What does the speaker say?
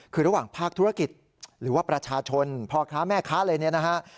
คือระหว่างภาคธุรกิจหรือว่าประชาชนพ่อค้าแม่ค้าอะไรเนี่ยนะฮะ